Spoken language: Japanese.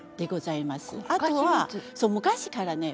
あとは昔からね